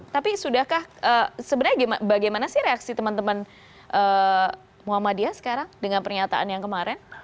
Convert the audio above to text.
tapi sudahkah sebenarnya bagaimana sih reaksi teman teman muhammadiyah sekarang dengan pernyataan yang kemarin